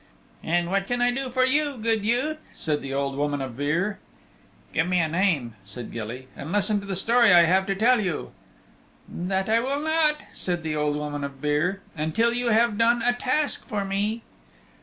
"And what can I do for you, good youth?" said the Old Woman of Beare. "Give me a name," said Gilly, "and listen to the story I have to tell you." "That I will not," said the Old Woman of Beare, "until you have done a task for me."